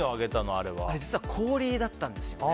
あれ実は氷だったんですよね。